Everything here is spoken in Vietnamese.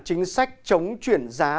chính sách chống chuyển giá